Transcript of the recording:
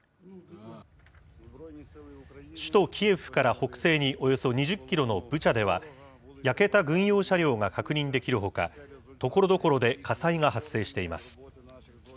首都キエフから北西におよそ２０キロのブチャでは、焼けた軍用車両が確認できるほか、ところどころで火災が発生しています。